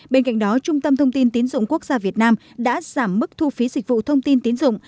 bên cạnh đó trung tâm thông tin tín dụng quốc gia việt nam đã giảm mức thu phí dịch vụ thông tin tín dụng